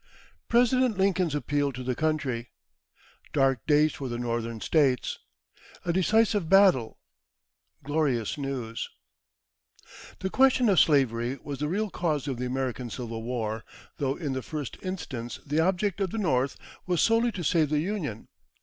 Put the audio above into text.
President Lincoln's Appeal to the Country Dark Days for the Northern States A Decisive Battle Glorious News. The question of slavery was the real cause of the American Civil War, though in the first instance the object of the North was solely to save the Union.